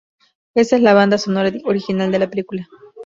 Esta es la banda sonora original de la película.